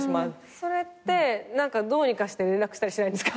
それってどうにかして連絡したりしないんですか？